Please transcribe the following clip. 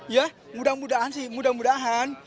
ya mudah mudahan sih mudah mudahan